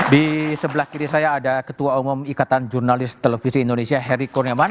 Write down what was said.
di sebelah kiri saya ada ketua umum ikatan jurnalis televisi indonesia heri kurniawan